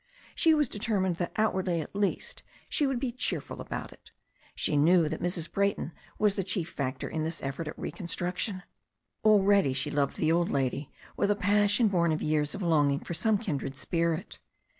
She was determined that, out wardly, at least, she would be cheerful about it. She knew that Mrs. Brayton was the chief factor in this effort at reconstruction. Already she loved the old lady with a pas sion born of years of longing for some kindred spirit.